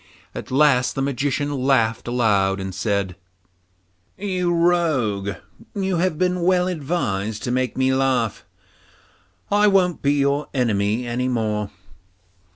At last the Magician laughed aloud and said, 'You rogue, you have been well advised to make me laugh; I won't be your enemy any more.